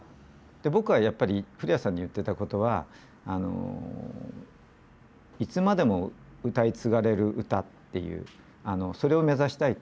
僕はやっぱり古屋さんに言ってたことはいつまでも歌い継がれる歌っていうそれを目指したいと。